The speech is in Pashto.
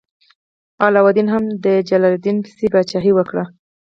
علاوالدین هم د جلال الدین پسې پاچاهي وکړه.